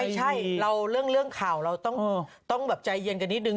ไม่ใช่เรื่องข่าวเราต้องแบบใจเย็นกันนิดนึง